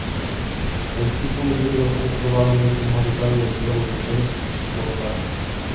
El tipo Híbrido es probablemente el más usado de todos los motores por pasos.